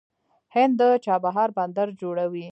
هند د چابهار بندر جوړوي.